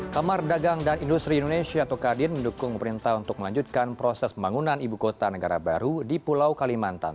kamar dagang dan industri indonesia atau kadin mendukung pemerintah untuk melanjutkan proses pembangunan ibu kota negara baru di pulau kalimantan